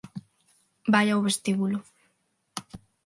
Vai ao vestíbulo.